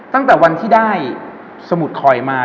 ตั้งแต่วันที่ได้สมุดคอยมา